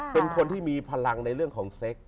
เป็นคนที่มีพลังในเรื่องของเซ็ก